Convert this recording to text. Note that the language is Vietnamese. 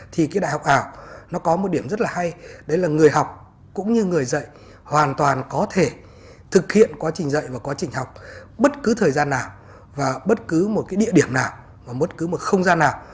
thì cái đại học ảo nó có một điểm rất là hay đấy là người học cũng như người dạy hoàn toàn có thể thực hiện quá trình dạy và quá trình học bất cứ thời gian nào và bất cứ một cái địa điểm nào và bất cứ một không gian nào